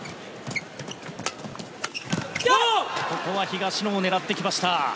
ここは東野を狙ってきました。